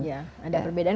ya ada perbedaan